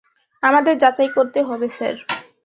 আমাদের যাচাই করতে হবে স্যার।